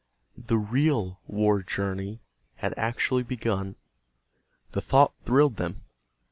The real war journey had actually begun. The thought thrilled them.